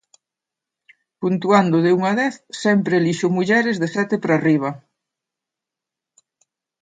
puntuando de un a dez sempre elixo mulleres de sete para riba.